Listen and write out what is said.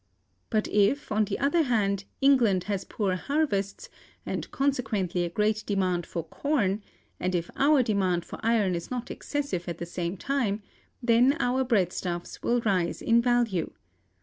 But if, on the other hand, England has poor harvests, and consequently a great demand for corn, and if our demand for iron is not excessive at the same time, then our breadstuffs will rise in value.